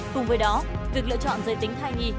cùng với đó việc lựa chọn giới tính thai nhi